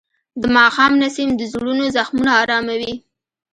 د ماښام نسیم د زړونو زخمونه آراموي.